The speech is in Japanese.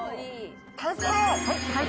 完成。